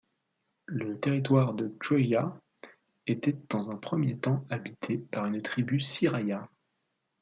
Le territoire de Xuejia était dans un premier temps habité par une tribu Siraya.